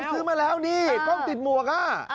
ซื้อมาแล้วนี่กล้องติดหมวก